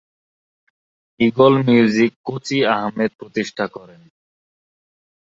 Eagle Music Kochi Ahmed প্রতিষ্ঠা করেন।